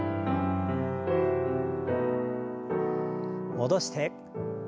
戻して。